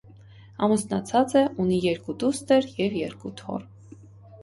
Ամուսնացած է, ունի երկու դուստր և երկու թոռ։